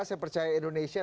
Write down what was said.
saya percaya indonesia